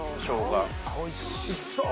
おいしそう！